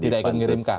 tidak ikut mengirimkan